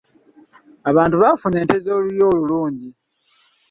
Abantu baafuna ente ez'olulyo olulungi.